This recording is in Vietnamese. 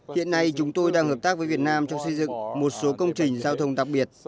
hiện nay chúng tôi đang hợp tác với việt nam trong xây dựng một số công trình giao thông đặc biệt